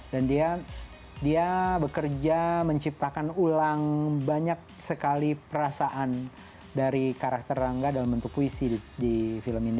dan dia bekerja menciptakan ulang banyak sekali perasaan dari karakter rangga dalam bentuk puisi di film ini